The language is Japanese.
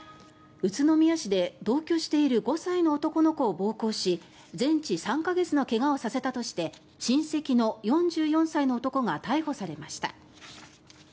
宇都宮市で同居している５歳の男の子を暴行し全治３か月の怪我をさせたとして親戚の４４歳の男が逮捕されました。